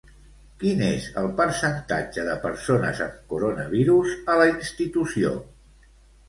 Quin és el percentatge de persones amb coronavirus a la institució?